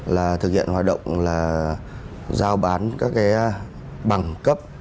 là thực hiện hoạt động là giao bán các cái bằng cấp